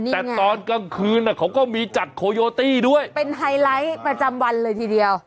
แต่ตอนกลางคืนเขาก็มีจัดโคโยตี้ด้วยเป็นไฮไลท์ประจำวันเลยทีเดียว